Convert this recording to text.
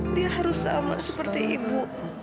dia harus sama seperti ibu